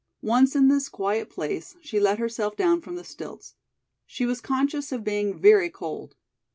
Once in this quiet place she let herself down from the stilts. She was conscious of being very cold.